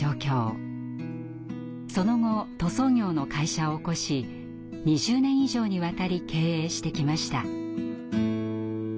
その後塗装業の会社を興し２０年以上にわたり経営してきました。